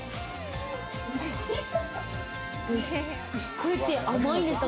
これって甘いですか？